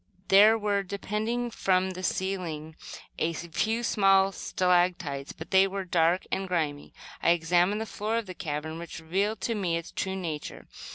There were, depending from the ceiling, a few small stalactites, but they were dark and grimy. I examined the floor of the cavern, which revealed to me its true nature.